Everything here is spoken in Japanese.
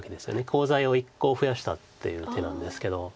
コウ材を１コウ増やしたっていう手なんですけど。